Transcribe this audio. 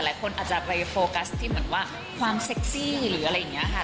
หลายคนอาจจะไปโฟกัสที่ความเซ็กซี่หรืออะไรอย่างเงี้ยค่ะ